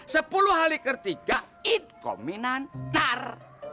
sepuluh hari ketiga it kominantar